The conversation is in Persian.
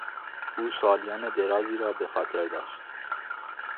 او سالیان درازی را به خاطر داشت.